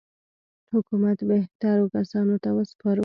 حکومت بهترو کسانو ته وسپارو.